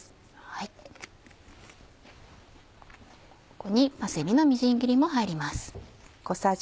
ここにパセリのみじん切りも入ります。